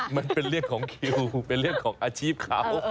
มันเป็นเรื่องของคิวเป็นเรื่องของอาชีพเขา